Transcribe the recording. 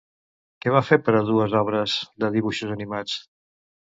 Què va fer per a dues obres de dibuixos animats?